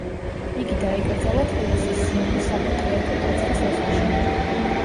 იგი დაიკრძალა თბილისის სიონის საპატრიარქო ტაძრის ეზოში.